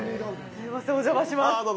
すいません、お邪魔します。